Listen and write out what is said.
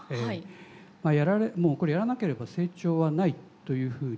もうこれやらなければ成長はないというふうに。